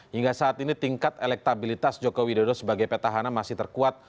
hingga saat ini tingkat elektabilitas joko widodo sebagai petahana masih terkuat